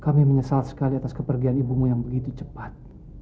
kami menyesal sekali atas kepergian ibumu yang begitu cepat